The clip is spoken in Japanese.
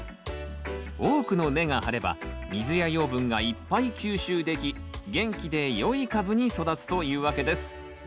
多くの根が張れば水や養分がいっぱい吸収でき元気で良い株に育つというわけです。